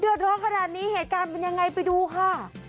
เดือดร้อนขนาดนี้เหตุการณ์เป็นยังไงไปดูค่ะ